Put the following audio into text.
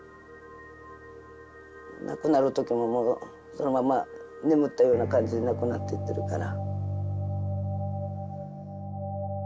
亡くなる時ももうそのまま眠ったような感じで亡くなっていってるから。